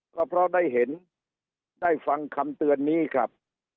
ก็เพราะได้เห็นได้ฟังคำเตือนนี้ครับ